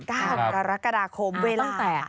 ๙กรกฎาคมเวลาตั้งแต่